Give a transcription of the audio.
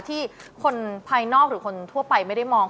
ที่คนภายนอกหรือคนทั่วไปไม่ได้มอง